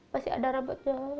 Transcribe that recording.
masih ada rambutnya